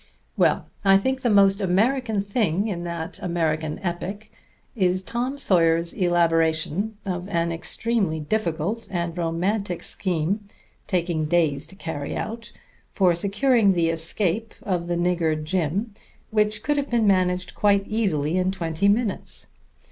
"Well, I think the most American thing in that great American epic is Tom Sawyer's elaboration of an extremely difficult and romantic scheme, taking days to carry out, for securing the escape of the nigger Jim, which could have been managed quite easily in twenty minutes.